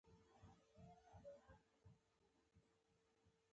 هغه د یوه بدبخته مجرم پر ځای پر یوه ستر لیکوال بدل شو